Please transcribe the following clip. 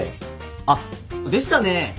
あっでしたね。